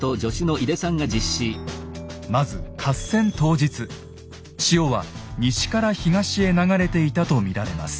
まず合戦当日潮は西から東へ流れていたと見られます。